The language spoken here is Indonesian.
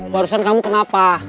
barusan kamu kenapa